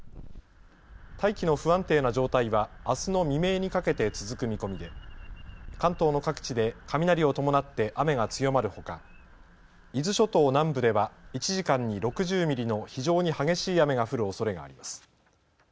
大気の不安定な状態はあすの未明にかけて続く見込みで関東の各地で雷を伴って雨が強まるほか伊豆諸島南部では１時間に６０ミリの非常に激しい雨が降るおそれがあります。